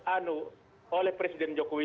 anu oleh presiden jokowi